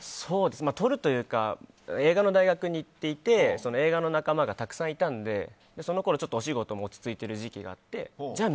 撮るというか映画の大学に行っていて映画の仲間がたくさんいたのでそのころ、お仕事も落ち着いている時期があってじゃあ